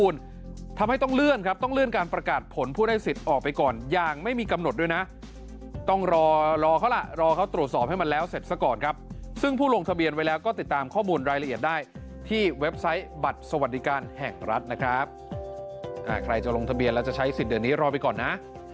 ใช้บัตรสวัสดิการแห่งรัฐนะครับใครจะลงทะเบียนแล้วจะใช้สิทธิ์เดือนนี้รอไปก่อนนะ